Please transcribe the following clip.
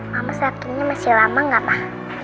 mama seharusnya masih lama gak pak